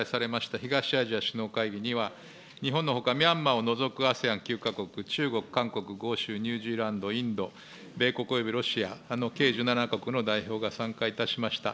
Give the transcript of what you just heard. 東アジア首脳会議には、日本のほか、ミャンマーを除くＡＳＥＡＮ９か国、中国、韓国、豪州、ニュージーランド、インド、米国およびロシアの計１７か国の代表が参加いたしました。